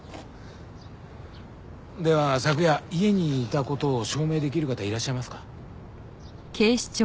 では昨夜家にいた事を証明できる方いらっしゃいますか？